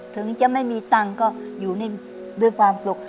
ถึงจะไม่มีตังค์ก็อยู่นี่ด้วยความสุข